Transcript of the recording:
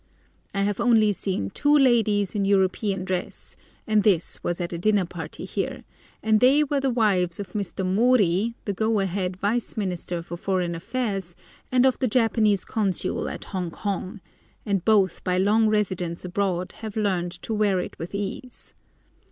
I have only seen two ladies in European dress; and this was at a dinner party here, and they were the wives of Mr. Mori, the go ahead Vice Minister for Foreign Affairs, and of the Japanese Consul at Hong Kong; and both by long residence abroad have learned to wear it with ease.